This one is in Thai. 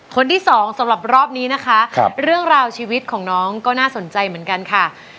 คนที่สองสำหรับรอบนี้นะคะเรื่องราวชีวิตของน้องก็น่าสนใจเหมือนกันค่ะ